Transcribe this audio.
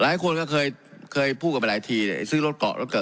หลายคนก็เคยพูดกันไปหลายทีซื้อรถเกาะรถเกิด